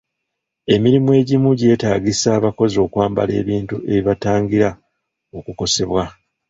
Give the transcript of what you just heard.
Emirimu egimu gyeetaagisa abakozi okwambala ebintu ebibatangira okukosebwa.